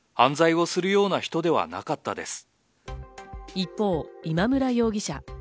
一方、今村容疑者。